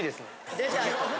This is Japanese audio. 出た！